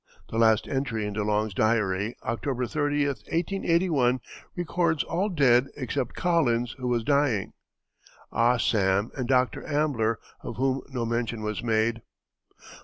The last entry in De Long's diary, October 30, 1881, records all dead except Collins, who was dying, Ah Sam and Dr. Ambler, of whom no mention was made.